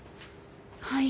はい。